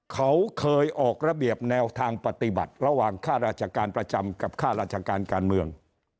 เขาเคยออกระเบียบแนวทางปฏิบัติระหว่างค่าราชการประจำกับค่าราชการการเมือง